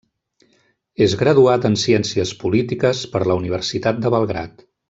És graduat en ciències polítiques per la Universitat de Belgrad.